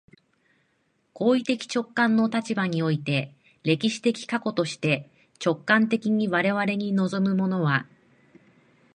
行為的直観の立場において、歴史的過去として、直観的に我々に臨むものは、